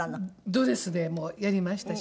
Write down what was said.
ドレスでもやりましたし。